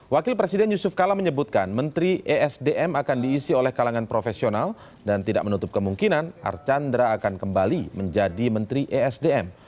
wakil presiden yusuf kala menyebutkan menteri esdm akan diisi oleh kalangan profesional dan tidak menutup kemungkinan archandra akan kembali menjadi menteri esdm